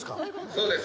そうです。